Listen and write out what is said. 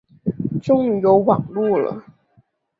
终于有网路了